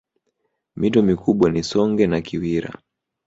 Mito mikubwa ni Songwe na Kiwira